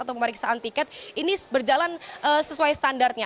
atau pemeriksaan tiket ini berjalan sesuai standarnya